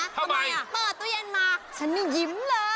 ทำไมอ่ะเปิดตู้เย็นมาฉันนี่ยิ้มเลย